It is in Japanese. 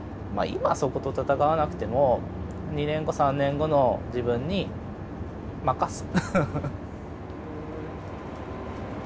今そこと戦わなくても２年後３年後の自分に任す。